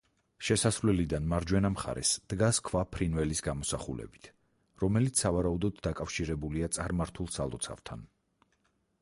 შესასვლელიდან მარჯვენა მხარეს დგას ქვა ფრინველის გამოსახულებით, რომელიც სავარაუდოდ დაკავშირებულია წარმართულ სალოცავთან.